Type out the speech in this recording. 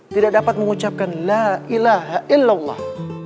tidak dapat mengucapkan la ilaha illallah